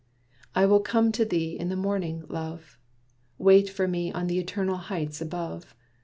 "I will come to thee in the morning, love! Wait for me on the Eternal Heights above.